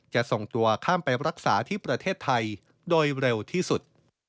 จะส่งตัวข้ามไปรักษาที่ประเทศไทยโดยเร็วที่สุด